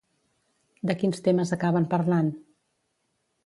De quins temes acaben parlant?